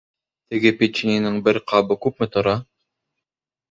Теге печеньеның бер ҡабы күпме тора?